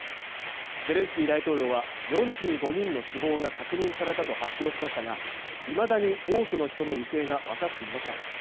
ゼレンスキー大統領は４５人の死亡が確認されたと発表しましたがいまだに多くの人の行方が分かっていません